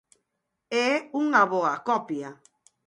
É unha boa copia.